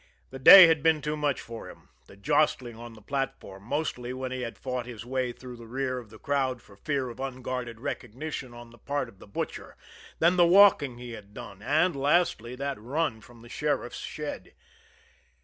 The day had been too much for him the jostling on the platform, mostly when he had fought his way through the rear of the crowd for fear of an unguarded recognition on the part of the Butcher; then the walking he had done; and, lastly, that run from the sheriff's shed.